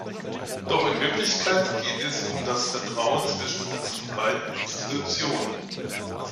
Doch in Wirklichkeit geht es um das Vertrauen zwischen unseren beiden Institutionen.